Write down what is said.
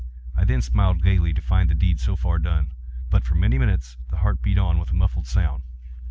I then smiled gaily, to find the deed so far done. But, for many minutes, the heart beat on with a muffled sound.